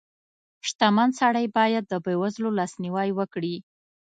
• شتمن سړی باید د بېوزلو لاسنیوی وکړي.